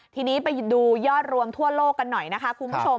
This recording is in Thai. ทีนี้ไปดูยอดรวมทั่วโลกกันหน่อยนะคะคุณผู้ชม